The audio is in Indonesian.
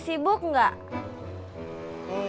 tidak ada motor